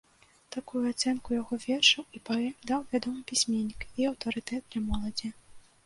Такую ацэнку яго вершаў і паэм даў вядомы пісьменнік і аўтарытэт для моладзі.